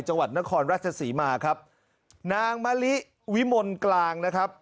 จังหวัดนครราชศรีมาครับนางมะลิวิมลกลางนะครับ